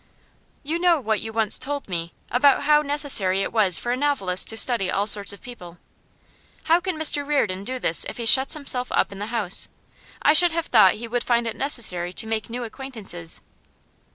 'You know what you once told me, about how necessary it was for a novelist to study all sorts of people. How can Mr Reardon do this if he shuts himself up in the house? I should have thought he would find it necessary to make new acquaintances.